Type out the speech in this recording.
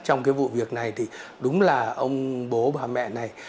trong vụ việc này đúng là ông bố bà mẹ này